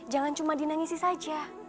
jangan cuma dinangisi saja